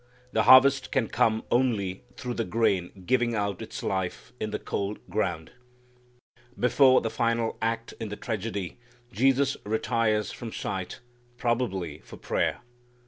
The harvest can come only through the grain giving out its life in the cold ground. Before the final act in the tragedy Jesus retires from sight, probably for prayer.